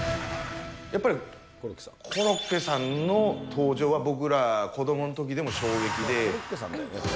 やっぱりコロッケさんの登場は、僕ら、子どものときでも衝撃で。